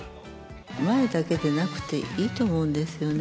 前だけでなくていいと思うんですよね。